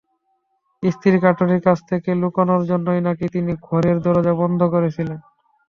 স্ত্রী কার্টনির কাছ থেকে লুকোনোর জন্যই নাকি তিনি ঘরের দরজা বন্ধ করেছিলেন।